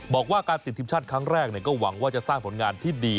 บอกว่าการติดทีมชาติครั้งแรกก็หวังว่าจะสร้างผลงานที่ดี